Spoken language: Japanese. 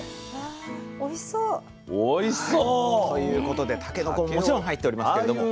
おいしそう！ということでたけのこももちろん入っておりますけれども。